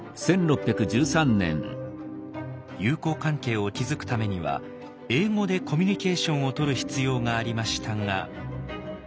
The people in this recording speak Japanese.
友好関係を築くためには英語でコミュニケーションをとる必要がありましたが。